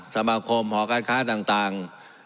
สมาคมหอการค้าต่าง